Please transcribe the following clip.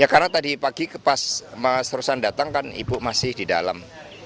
ya karena tadi pagi pas mas rosan datang kan ibu masih di dalam